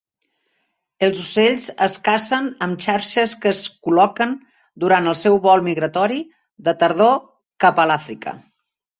Els ocells es cacen amb xarxes que es col·loquen durant el seu vol migratori de tardor cap a l'Àfrica.